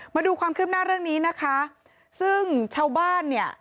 มาดูความคืบหน้าเรื่องนี้นะคะซึ่งชาวบ้านเนี่ย